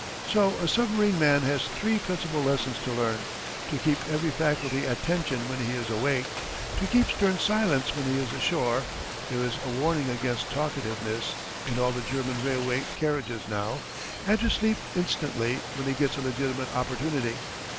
So a submarine man has three principal lessons to learn to keep every faculty at tension when he is awake, to keep stern silence when he is ashore (there is a warning against talkativeness in all the German railway carriages now), and to sleep instantly when he gets a legitimate opportunity.